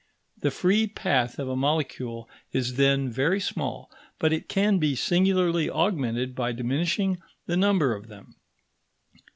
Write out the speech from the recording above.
The free path of a molecule is then very small, but it can be singularly augmented by diminishing the number of them.